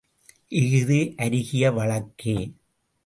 இஃது அருகிய வழக்கே!